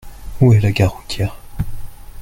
Où est la gare routière ?